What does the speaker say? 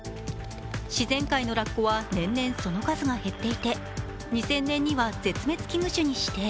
自然界のラッコは年々その数が減っていて２０００年には絶滅危惧種に指定。